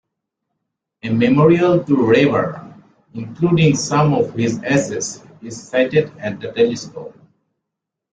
A memorial to Reber, including some of his ashes, is sited at the telescope.